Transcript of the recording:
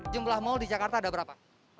jumlah mal di jakarta ada berapa